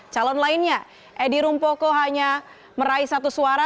calon lainnya edi rumpoko hanya meraih satu suara